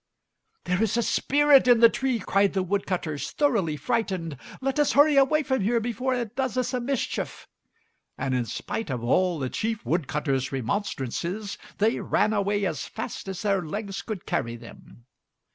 "There is a spirit in the tree," cried the woodcutters, thoroughly frightened. "Let us hurry away from here before it does us a mischief." And in spite of all the chief wood cutter's remonstrances, they ran away as fast as their legs could carry them.